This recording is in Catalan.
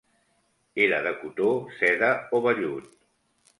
Era de cotó, seda o vellut.